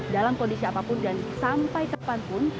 dalam kondisi apapun dan sampai kapanpun